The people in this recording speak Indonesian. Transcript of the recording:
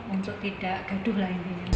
untuk tidak gaduh lah ini